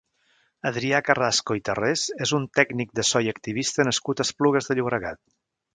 Adrià Carrasco i Tarrés és un tècnic de so i activista nascut a Esplugues de Llobregat.